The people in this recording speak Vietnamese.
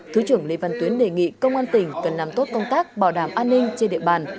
thứ trưởng lê văn tuyến đề nghị công an tỉnh cần làm tốt công tác bảo đảm an ninh trên địa bàn